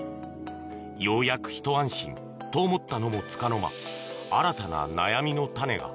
ようやくひと安心と思ったのもつかの間新たな悩みの種が。